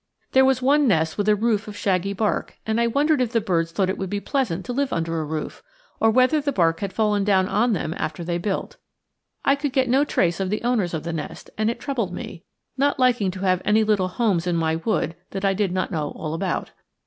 There was one nest with a roof of shaggy bark, and I wondered if the birds thought it would be pleasant to live under a roof, or whether the bark had fallen down on them after they built. I could get no trace of the owners of the nest, and it troubled me, not liking to have any little homes in my wood that I did not know all about.